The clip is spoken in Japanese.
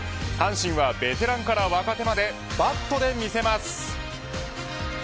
阪神はベテランから若手までバットで見せます。